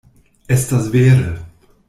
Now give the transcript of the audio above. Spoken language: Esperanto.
Estas vere.